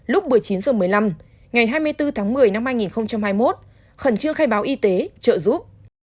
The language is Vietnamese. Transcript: lúc một mươi chín h một mươi năm ngày hai mươi bốn tháng một mươi năm hai nghìn hai mươi một khẩn trương khai báo y tế trợ giúp